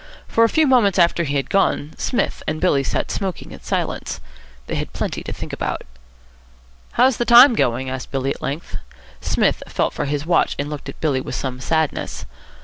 For a few moments after he had gone, Psmith and Billy sat smoking in silence. They had plenty to think about. "How's the time going?" asked Billy at length. Psmith felt for his watch, and looked at Billy with some sadness.